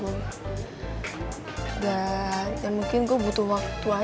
orang serius juga